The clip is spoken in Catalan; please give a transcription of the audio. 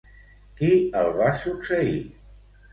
Qui el va succeir?